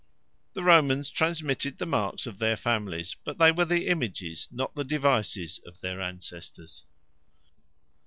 The Romans transmitted the Marks of their Families: but they were the Images, not the Devises of their Ancestors.